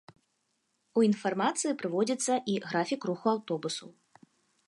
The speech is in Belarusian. У інфармацыі прыводзіцца і графік руху аўтобусаў.